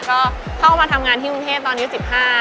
ก็เข้ามาทำงานที่มุมเทพฯตอน๑๕ปี